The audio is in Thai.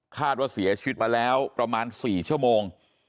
คาดว่าเสียชีวิตมาแล้วประมาณ๔ชั่วโมง